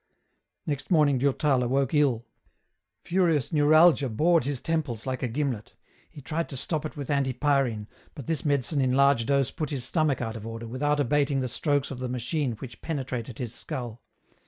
Next morning Durtal awoke ill ; furious neuralgia bored his temples like a gimlet ; he tried to stop it with anti pyrine, but this medicine in a large dose put his stomach out of order without abating the strokes of the machine which penetrated his skull.